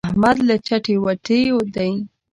احمد له چتې وتی دی.